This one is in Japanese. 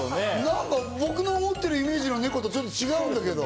僕の思ってる猫のイメージとちょっと違うんだけど。